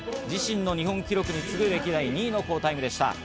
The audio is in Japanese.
自身の日本記録に次ぐ歴代２位の好タイムでした。